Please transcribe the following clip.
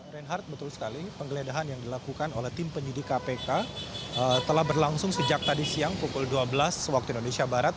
reinhardt betul sekali penggeledahan yang dilakukan oleh tim penyidik kpk telah berlangsung sejak tadi siang pukul dua belas waktu indonesia barat